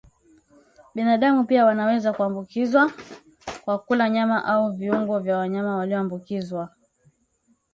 Binadamu pia wanaweza kuambukizwa kwa kula nyama au viungo vya wanyama walioambukizwa visivyopikwa